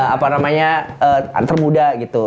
apa namanya termuda gitu